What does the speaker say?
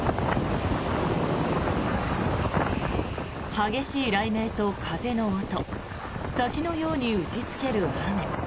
激しい雷鳴と風の音滝のように打ちつける雨。